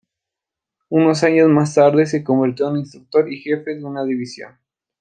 Unos años más tarde se convirtió en instructor y jefe de una división.